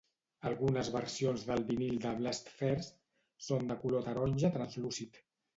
Algunes versions del vinil de "Blast First" són de color taronja translúcid.